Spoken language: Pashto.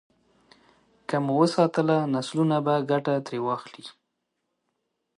که مو وساتله، نسلونه به ګټه ترې واخلي.